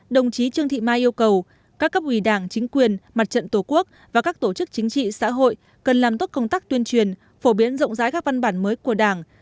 đồng chí trương thị mai yêu cầu các cấp ủy đảng chính quyền mặt trận tổ quốc và các tổ chức chính trị xã hội cần làm tốt công tác tuyên truyền phổ biến rộng rãi các văn bản mới của đảng